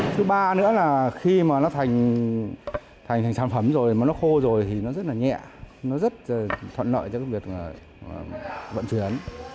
thứ ba nữa là khi mà nó thành sản phẩm rồi mà nó khô rồi thì nó rất là nhẹ nó rất thuận lợi cho cái việc vận chuyển